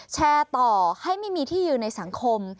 แชร์ต่อให้ไม่มีที่ยืนในสังคม